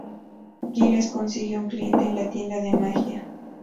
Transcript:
Giles consigue un cliente en la tienda de magia.